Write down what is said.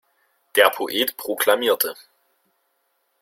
Der Poet proklamierte.